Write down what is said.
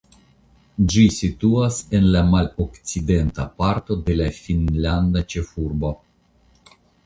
Ĝi situas en la malokcidenta parto de la finnlanda ĉefurbo.